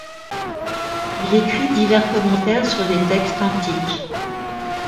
Il écrit divers commentaires sur des textes antiques.